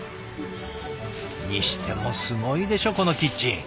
にしてもすごいでしょこのキッチン。